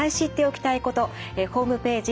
ホームページ